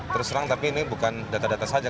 terserang tapi ini bukan data data saja